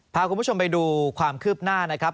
พาคุณผู้ชมไปดูความคืบหน้านะครับ